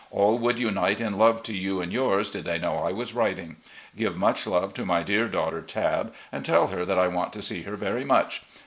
All would \tnite in love to you and yours, did they know I was writing. Give much love to my dear daughter, Tabb, and tell her that I want to see her very much.